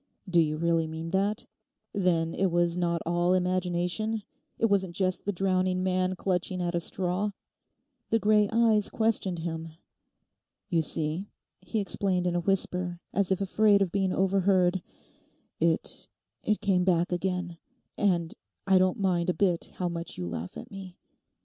Do you really mean that? Then it was not all imagination; it wasn't just the drowning man clutching at a straw?' The grey eyes questioned him. 'You see,' he explained in a whisper, as if afraid of being overheard, 'it—it came back again, and—I don't mind a bit how much you laugh at me!